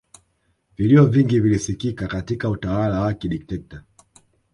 vilio vingi vilisikika katika utawala wa kidikteta